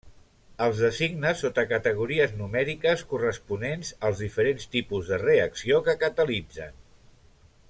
Els designa sota categories numèriques, corresponents als diferents tipus de reacció que catalitzen.